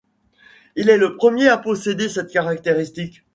Il est le premier à posséder cette caractéristique.